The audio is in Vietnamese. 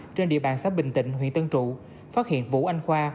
trên địa bàn xã bình tịnh huyện tân trụ phát hiện vũ anh khoa